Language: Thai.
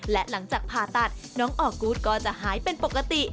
และหลังจากผ่าตัดน้องออกูธก็จะหายเป็นปกติ